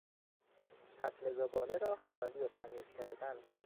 سطل زباله را خالی و تمیز کردن